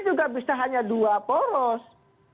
juga bisa hanya dua poros